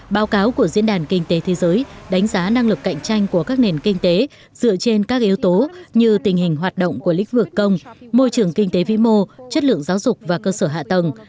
báo cáo của diễn đàn kinh tế thế giới đánh giá năng lực cạnh tranh của các nền kinh tế dựa trên các yếu tố như tình hình hoạt động của lĩnh vực công môi trường kinh tế vĩ mô chất lượng giáo dục và cơ sở hạ tầng